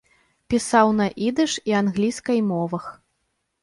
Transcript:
Пісаў на ідыш і англійскай мовах.